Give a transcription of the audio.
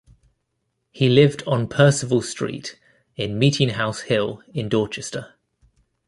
He lived on Percival Street in Meeting House Hill in Dorchester.